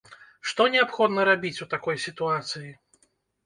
Што неабходна рабіць у такой сітуацыі?